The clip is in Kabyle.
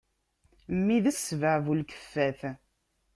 Mmi d ssbeɛ bu lkeffat.